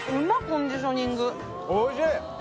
コンディショニングおいしい！